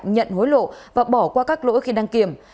nhận hối lộ và bỏ qua các lỗi khi đăng kiểm